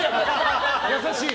優しい！